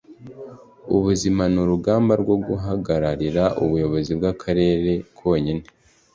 ubuzima-n-urugamba rwo guharanira ubuyobozi bw'aka karere konyine